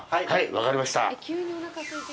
はい、分かりました。